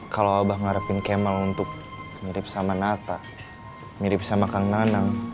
kalau abah ngarepin kemal untuk mirip sama nata mirip sama kang nanang